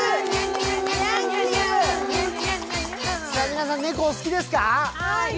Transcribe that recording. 皆さん、猫、お好きですか？